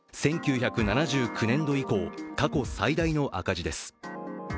１９７９年度以降、過去最大の赤字です。